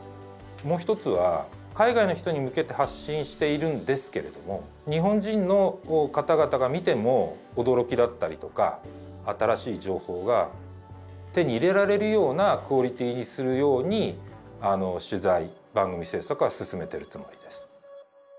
もう一つは海外の人に向けて発信しているんですけれども日本人の方々が見ても驚きだったりとか新しい情報が手に入れられるようなクオリティーにするように取材・番組制作は進めてるつもりです。